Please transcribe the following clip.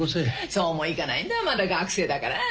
そうもいかないんだあまだ学生だから。